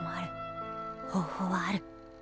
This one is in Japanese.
方法はある。